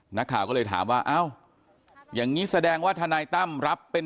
นักข่าวก็เลยถามว่าเอ้าอย่างนี้แสดงว่าทนายตั้มรับเป็น